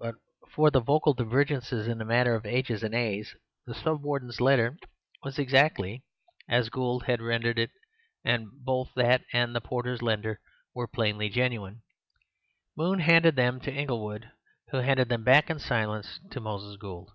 But for the vocal divergences in the matter of h's and a's, the Sub Warden's letter was exactly as Gould had rendered it; and both that and the porter's letter were plainly genuine. Moon handed them to Inglewood, who handed them back in silence to Moses Gould.